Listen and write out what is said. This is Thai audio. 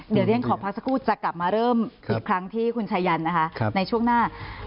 เดี๋ยวเรียนขอพักสักครู่จะกลับมาเริ่มอีกครั้งที่คุณชายันนะคะในช่วงหน้า